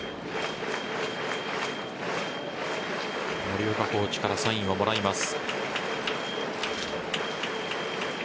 森岡コーチからサインをもらいます。